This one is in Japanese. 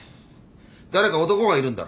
誰か男がいるんだろ？